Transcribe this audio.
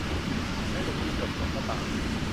แม้ในชีวิตส่วนตัวก็ตาม